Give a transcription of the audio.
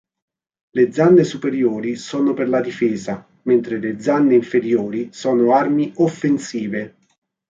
Le zanne superiori sono per la difesa mentre le zanne inferiori sono armi offensive.